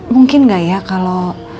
mungkin gak ya kalo